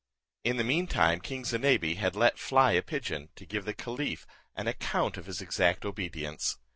In the mean time king Zinebi had let fly a pigeon to give the caliph an account of his exact obedience.